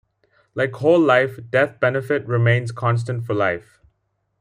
Like whole life, death benefit remains constant for life.